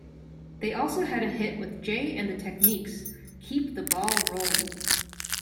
They also had a hit with Jay and the Techniques' "Keep the Ball Rollin'".